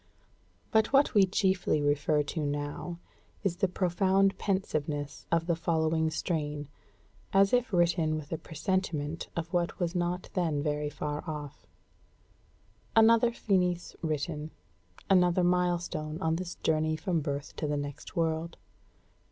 But what we chiefly refer to now is the profound pensiveness of the following strain, as if written with a presentiment of what was not then very far off: "Another Finis written; another milestone on this journey from birth to the next world.